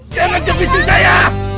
jangan jepitin saya